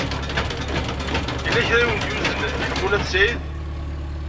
Yella kra i wen-d-yuzen Ḥemmu n At Sɛid.